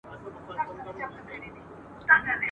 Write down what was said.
چي هر څه یې وي زده کړي په کلونو ..